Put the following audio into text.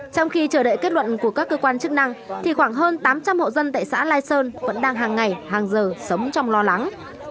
trong khi chờ đợi kết luận của các cơ quan chức năng thì khoảng hơn tám trăm linh hộ dân tại xã lai sơn vẫn đang hàng ngày hàng giờ sống trong lo lắng